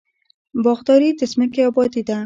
باغداري د ځمکې ابادي ده.